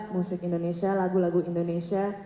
musik indonesia lagu lagu indonesia